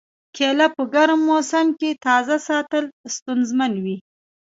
کېله په ګرم موسم کې تازه ساتل ستونزمن وي.